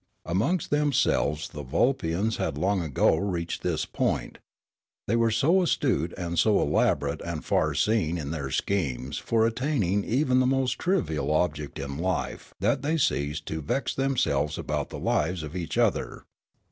Amongst themselves the Vulpians had long ago reached this point. They were so astute and so elaborate and far seeing in their schemes for attaining even the most trivial object in life that they ceased to vex themselves about the lives of each other.